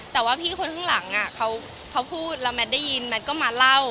แต่ว่าพี่คนข้างหลังเขาพูดแล้วแมทได้ยินแมทก็มาเล่า